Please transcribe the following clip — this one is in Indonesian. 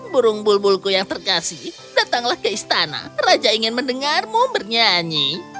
burung bulbulku yang terkasih datanglah ke istana raja ingin mendengarmu bernyanyi